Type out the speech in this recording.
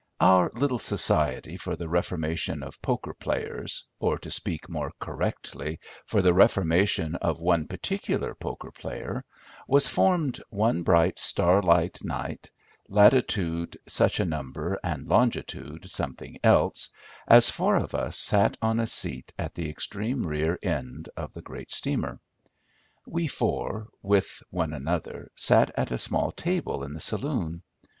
Our little society for the reformation of poker players, or to speak more correctly, for the reformation of one particular poker player, was formed one bright starlight night, latitude such a number, and longitude something else, as four of us sat on a seat at the extreme rear end of the great steamer. We four, with one other, sat at a small table in the saloon.